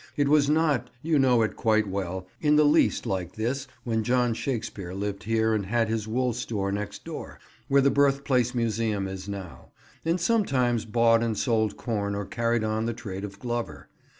It was not, you know it quite well, in the least like this when John Shakespeare lived here and had his wool store next door, where the Birthplace Museum is now, and sometimes bought and sold corn or carried on the trade of glover.